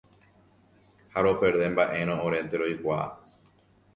ha roperde mba'érõ orénte roikuaa.